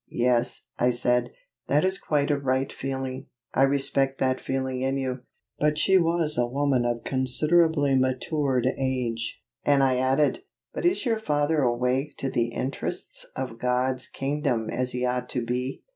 "Yes," I said, "that is quite a right feeling; I respect that feeling in you." But she was a woman of considerably matured age, and I added, "But is your father awake to the interests of God's kingdom as he ought to be?"